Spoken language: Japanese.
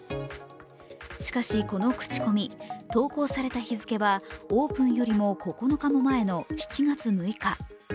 しかし、この口コミ投稿された日付はオープンよりも９日も前の７月６日。